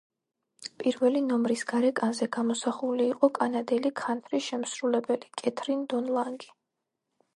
პირველი ნომრის გარეკანზე გამოსახული იყო კანადელი ქანთრი–შემსრულებელი კეთრინ დონ ლანგი.